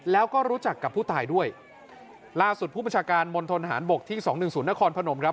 แล้วก็รู้จักกับผู้ตายด้วยล่าสุดผู้ประชาการมณฑนฐานบกที่สองหนึ่งศูนย์นครพนมครับ